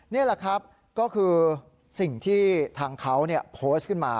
นี่แหละครับก็คือสิ่งที่ทางเขาโพสต์ขึ้นมา